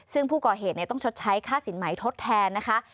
ซึ่งผู้ก่อเหตุต้องชดใช้ค่าสินใหม่ทดแทนนะคะ